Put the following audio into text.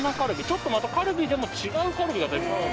ちょっとまたカルビでも違うカルビが出る。